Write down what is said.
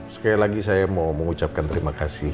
sekali lagi saya mau mengucapkan terima kasih